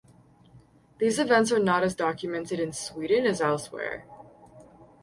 These events are not as documented in Sweden as elsewhere.